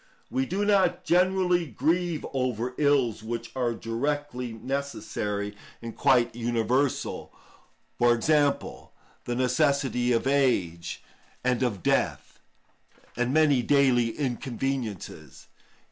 We do not generally grieve over ills which are directly necessary and quite universal; for example, the necessity of age and of death, and many daily inconveniences.